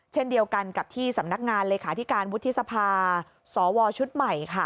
เช่นเดียวกันกับที่สำนักงานเลขาธิการวุฒิสภาสวชุดใหม่ค่ะ